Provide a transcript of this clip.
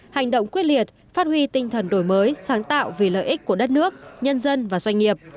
hành động quyết liệt phát huy tinh thần đổi mới sáng tạo vì lợi ích của đất nước nhân dân và doanh nghiệp